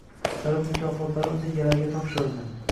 Davlat mukofotlari o‘z egalariga topshirildi